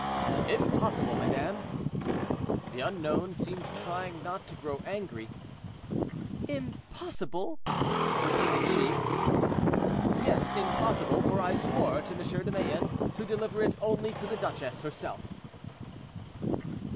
"Impossible, madame." The unknown seemed trying not to grow angry. "Impossible?" repeated she. "Yes, impossible; for I swore to M. de Mayenne to deliver it only to the duchesse herself."